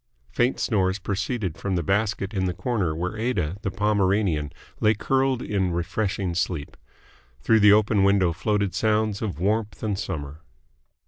Faint snores proceeded from the basket in the corner where Aida, the Pomeranian, lay curled in refreshing sleep. Through the open window floated sounds of warmth and Summer.